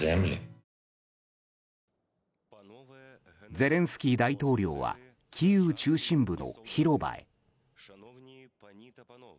ゼレンスキー大統領はキーウ中心部の広場へ。